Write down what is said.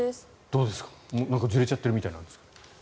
どうですかずれちゃってるみたいですが。